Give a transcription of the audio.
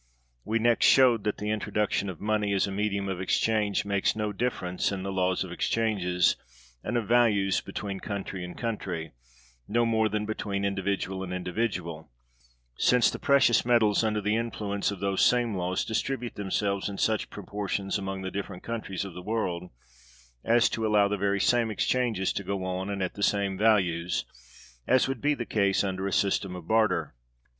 We next showed that the introduction of money, as a medium of exchange, makes no difference in the laws of exchanges and of values between country and country, no more than between individual and individual: since the precious metals, under the influence of those same laws, distribute themselves in such proportions among the different countries of the world as to allow the very same exchanges to go on, and at the same values, as would be the case under a system of barter.